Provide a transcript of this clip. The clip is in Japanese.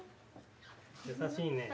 優しいね。